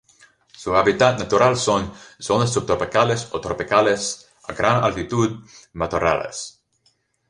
Su hábitat natural son: zonas subtropicales o tropicales, a gran altitud, matorrales.